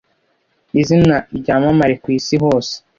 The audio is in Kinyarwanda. izina ryamamare kwisi hose